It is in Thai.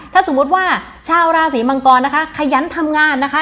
ถ้าสมมุติว่าชาวราศีมังกรนะคะขยันทำงานนะคะ